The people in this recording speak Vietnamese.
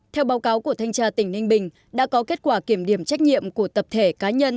theo báo cáo của thanh tra tỉnh ninh bình đã có kết quả kiểm điểm trách nhiệm của tập thể cá nhân